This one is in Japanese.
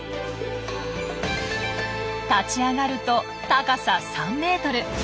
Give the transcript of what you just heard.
立ち上がると高さ３ｍ。